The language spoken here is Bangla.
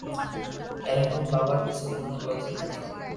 এরকম ভাবার পেছনে কোন লজিক নেই।